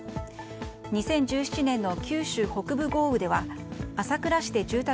２０１７年の九州北部豪雨では朝倉市で住宅